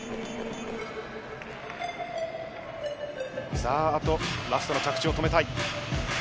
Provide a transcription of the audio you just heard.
さあ、あとはラストの着地を止めたい。